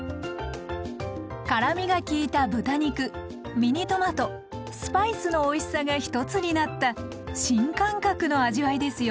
辛みが利いた豚肉ミニトマトスパイスのおいしさが１つになった新感覚の味わいですよ。